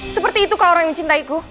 seperti itu kau orang yang cintaiku